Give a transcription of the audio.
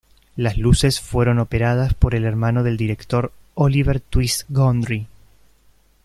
Las luces fueron operadas por el hermano del director, Olivier "Twist" Gondry.